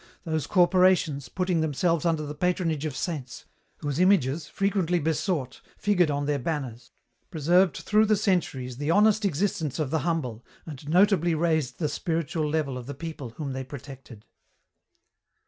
Those corporations, putting themselves under the patronage of Saints whose images, frequently besought, figured on their banners preserved through the centuries the honest existence of the humble and notably raised the spiritual level of the people whom they protected.